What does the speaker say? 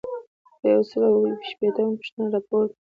یو سل او اووه شپیتمه پوښتنه راپور دی.